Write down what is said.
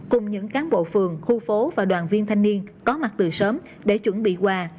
cùng những cán bộ phường khu phố và đoàn viên thanh niên có mặt từ sớm để chuẩn bị quà